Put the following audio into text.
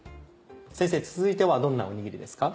先生続いてはどんなおにぎりですか？